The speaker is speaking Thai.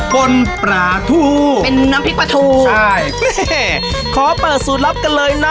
คนปลาทูเป็นน้ำพริกปลาทูใช่แม่ขอเปิดสูตรลับกันเลยนะ